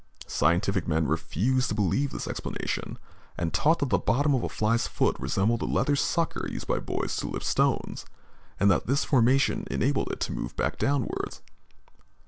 Scientific men refused to believe this explanation, and taught that the bottom of a fly's foot resembled the leather sucker used by boys to lift stones, and that this formation enabled it to move back downwards.